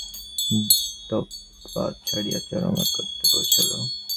এইরূপে সাংখ্যদর্শনের শেষ সিদ্ধান্ত দ্বৈতবাদ ছাড়াইয়া চরম একত্বে পৌঁছিল।